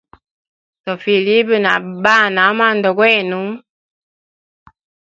Tofilibwa na bana amwanda gwenu.